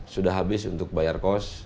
sudah habis untuk bayar kos